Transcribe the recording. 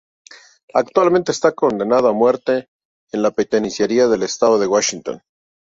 Actualmente está condenado a muerte en la penitenciaría del estado de Washington.